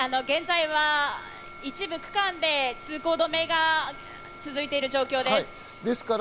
現在は一部区間で通行止めが続いている状況です。